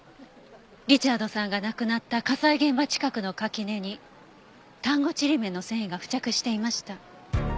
リチャードさんが亡くなった火災現場近くの垣根に丹後ちりめんの繊維が付着していました。